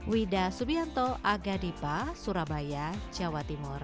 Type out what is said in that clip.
wida subianto agadipa surabaya jawa timur